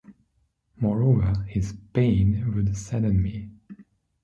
Moreover, his pain would sadden me.